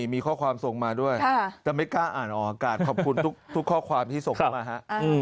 มีข้อความส่งมาด้วยแต่ไม่กล้าอ่านออกอากาศขอบคุณทุกข้อความที่ส่งเข้ามาฮะ